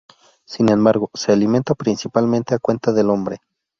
Sin embargo, se alimenta principalmente a cuenta del hombre.